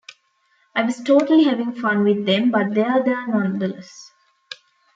I was totally having fun with them, but they are there nonetheless.